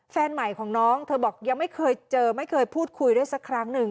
แฟนใหม่ของน้องเธอบอกยังไม่เคยเจอไม่เคยพูดคุยด้วยสักครั้งหนึ่ง